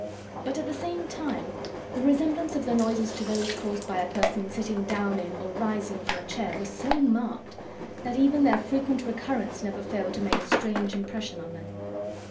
But, at the same time, the resemblance of the noises to those caused by a person sitting down in or rising from a chair was so marked, that even their frequent recurrence never failed to make a strange impression on them.